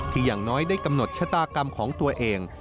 อย่างน้อยได้กำหนดชะตากรรมของตัวเอง